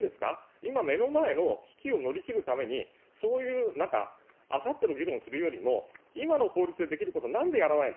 今、目の前の危機を乗り切るために、そういうなんか、あさっての議論するよりも、今の法律でできることなんでやらないんだ。